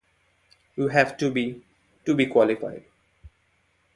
You have to be — to be qualified.